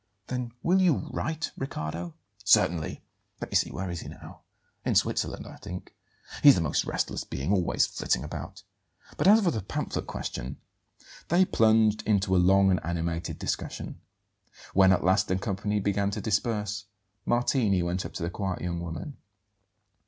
"Then will you write, Riccardo?" "Certainly. Let me see, where is he now? In Switzerland, I think. He's the most restless being; always flitting about. But as for the pamphlet question " They plunged into a long and animated discussion. When at last the company began to disperse Martini went up to the quiet young woman.